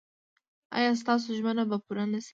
ایا ستاسو ژمنه به پوره نه شي؟